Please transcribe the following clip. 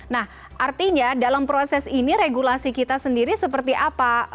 nah artinya dalam proses ini regulasi kita sendiri seperti apa